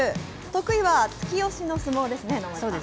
得意は突き押しの相撲ですね、能町さん。